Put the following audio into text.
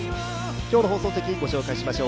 今日の放送席、ご紹介しましょう。